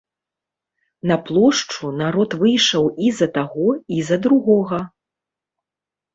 На плошчу народ выйшаў і за таго, і за другога.